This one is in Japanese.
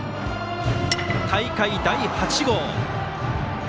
大会第８号。